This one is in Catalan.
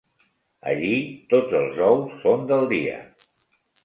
Allí tots els ous són del dia